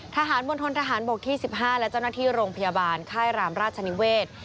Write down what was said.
มณฑนทหารบกที่๑๕และเจ้าหน้าที่โรงพยาบาลค่ายรามราชนิเวศ